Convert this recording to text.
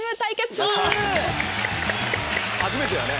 初めてだね。